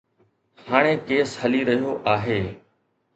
هاڻي ڪيس هلي رهيو آهي.